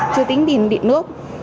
chưa tính tiền điện nước